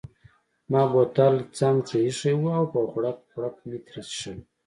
ما بوتل څنګته ایښی وو او په غوړپ غوړپ مې ترې څیښل.